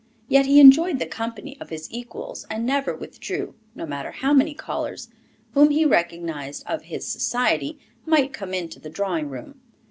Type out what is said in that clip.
Yet he enjoyed the company of his equals, and never withdrew, no matter how many callers whom he recognized as of his society might come into the drawing room.